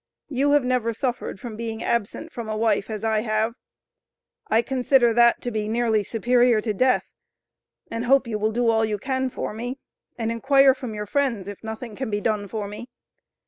You have never suffered from being absent from a wife, as I have. I consider that to be nearly superior to death, and hope you will do all you can for me, and inquire from your friends if nothing can be done for me.